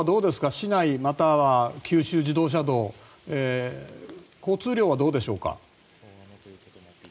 市内、または九州自動車道の交通量はどうでしょうか？